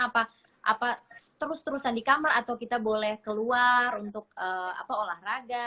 apa terus terusan di kamar atau kita boleh keluar untuk olahraga